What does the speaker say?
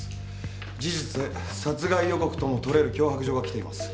事実殺害予告ともとれる脅迫状が来ています。